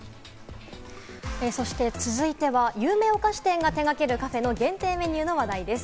そして続いては有名お菓子店が手掛けるカフェの限定メニューの話題です。